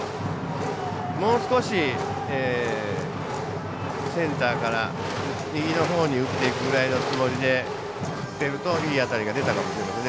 もう少しセンターから右のほうに打っていくぐらいのつもりで振ってるといい当たりが出たかもしれないですね。